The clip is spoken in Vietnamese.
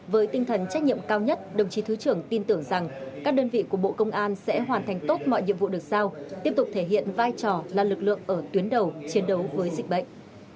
với tinh thần trách nhiệm cao nhất đồng chí thứ trưởng tin tưởng rằng các đơn vị của bộ công an sẽ hoàn thành tốt mọi nhiệm vụ được sao tiếp tục thể hiện vai trò là lực lượng ở tuyến đầu chiến đấu với dịch bệnh